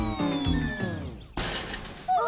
うわ！